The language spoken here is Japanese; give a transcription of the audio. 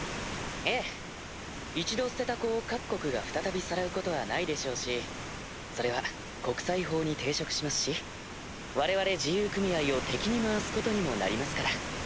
ええ一度捨てた子を各国が再びさらうことはないでしょうしそれは国際法に抵触しますし我々自由組合を敵に回すことにもなりますから。